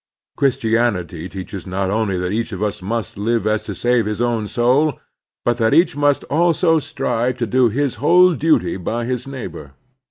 Christianity teaches not only that each of us must so live as to save his own soul, but that each must also strive to do his whole duty by his neighbor.